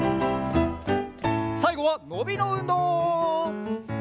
さいごはのびのうんどう！